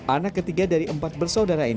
anak ketiga dari empat bersaudara ini